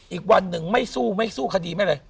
อีกวันหนึ่งไม่สู้ไม่สู้คดีไม่เลย